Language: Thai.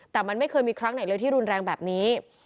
แต่มันไม่เคยมีครั้งไหนเลยที่รุนแรงแบบนี้